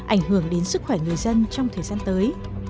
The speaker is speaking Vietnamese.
ảnh hưởng đến sức khỏe người dân trong thời gian tới